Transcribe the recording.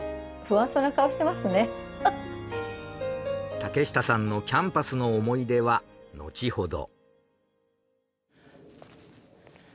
竹下さんのキャンパスの思い出は後ほど。